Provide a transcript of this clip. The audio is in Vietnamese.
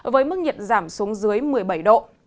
với mức nhiệt giảm xuống dưới một mươi bảy độ